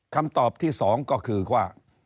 คำตอบที่๒ก็คือว่า